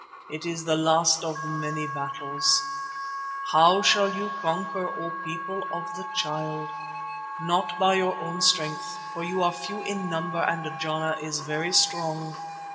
It is the last of many battles. How shall you conquer, O People of the Child? Not by your own strength, for you are few in number and Jana is very strong.